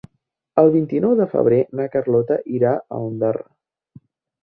El vint-i-nou de febrer na Carlota irà a Ondara.